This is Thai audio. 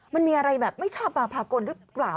มันมีอะไรแบบไม่ชอบมาพากลหรือเปล่า